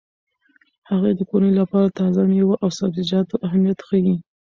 هغې د کورنۍ لپاره د تازه میوو او سبزیجاتو اهمیت ښيي.